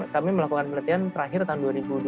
kami melakukan penelitian terakhir tahun dua ribu dua puluh